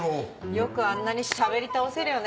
よくあんなにしゃべり倒せるよね